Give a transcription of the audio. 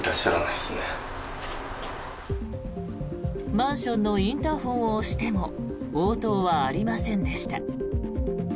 マンションのインターホンを押しても応答はありませんでした。